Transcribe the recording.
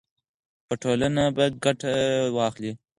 ټولنه به ګټه واخلي.